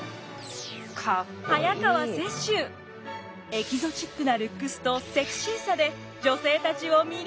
エキゾチックなルックスとセクシーさで女性たちを魅了！